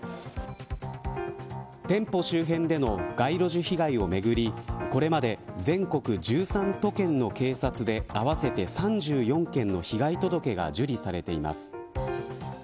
店舗周辺での街路樹被害をめぐりこれまで全国１３都県の警察で合わせて３４件の被害届が受理されています。